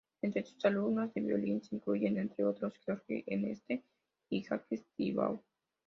Entre sus alumnos de violín se incluyen, entre otros, George Enescu y Jacques Thibaud.